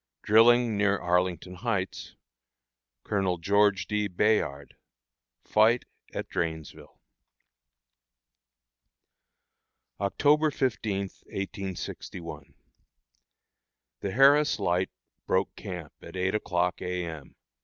Drilling near Arlington Heights. Colonel George D. Bayard. Fight at Drainesville. October 15, 1861. The Harris Light broke camp at eight o'clock, A. M.